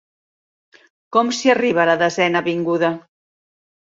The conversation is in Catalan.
Com s'hi arriba a la Desena Avinguda?